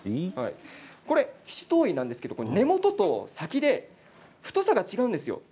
七島藺なんですが根元と先で太さが違うんですよ。